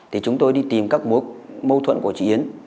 thì chúng tôi đi tìm các mối mâu thuẫn của chị yến